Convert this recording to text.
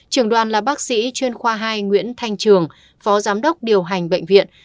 trường đoàn là bác sĩ chuyên khoa hai nguyễn thanh trường phó giám đốc điều hành bệnh viện